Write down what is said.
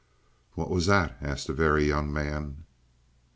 "What was that?" asked the Very Young Man.